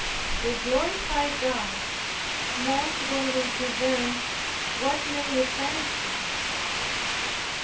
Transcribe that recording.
We glorify God most when we prevent what may offend Him.